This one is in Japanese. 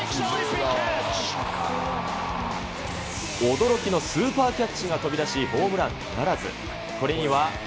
驚きのスーパーキャッチが飛び出し、ホームランならず。